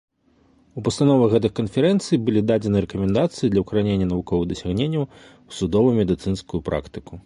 У пастановах гэтых канферэнцый былі дадзены рэкамендацыі для ўкаранення навуковых дасягненняў у судова-медыцынскую практыку.